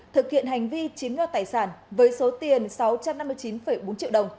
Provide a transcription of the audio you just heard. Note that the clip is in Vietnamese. thực hiện hành vi chiếm nho tài sản với số tiền sáu trăm năm mươi chín bốn triệu đồng của một nạn nhân trên địa bàn thành phố